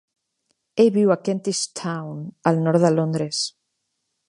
Ell viu a Kentish Town, al nord de Londres.